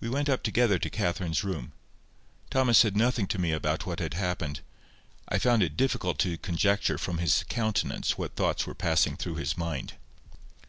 We went up together to Catherine's room. Thomas said nothing to me about what had happened, and I found it difficult even to conjecture from his countenance what thoughts were passing through his mind.